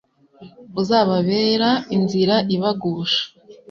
uzababera inzira ibagusha